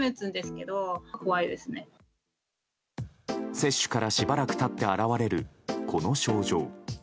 接種からしばらく経って現れるこの症状。